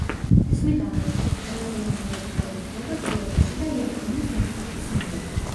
ეს მიდამო ერთ-ერთ ყველაზე ლამაზ ადგილად ითვლება კიოტოში და იაპონიის ერთ-ერთი სიმბოლოა.